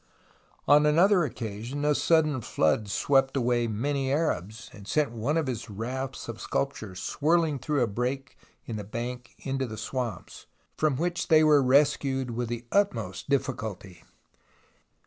On another occasion a sudden flood swept away many Arabs, and sent one of his rafts of sculptures swirling through a break in the bank into the swamps, from which they were rescued with the utmost difficulty.